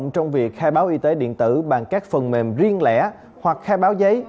trong việc khai báo y tế điện tử bằng các phần mềm riêng lẻ hoặc khai báo giấy